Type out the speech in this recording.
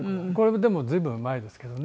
でも随分前ですけどね。